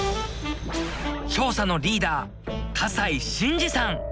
調査のリーダー葛西真治さん。